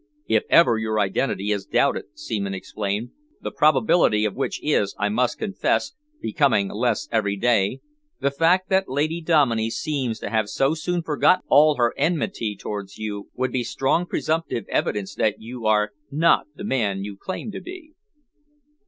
"If ever your identity is doubted," Seaman explained, "the probability of which is, I must confess, becoming less every day, the fact that Lady Dominey seems to have so soon forgotten all her enmity towards you would be strong presumptive evidence that you are not the man you claim to be."